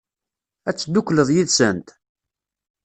Ad teddukleḍ yid-sent?